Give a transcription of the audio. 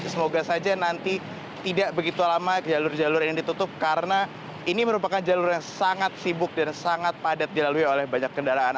semoga saja nanti tidak begitu lama jalur jalur ini ditutup karena ini merupakan jalur yang sangat sibuk dan sangat padat dilalui oleh banyak kendaraan